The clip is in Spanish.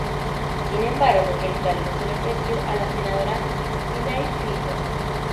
Sin embargo, el cargo se le ofreció a la senadora Hillary Clinton.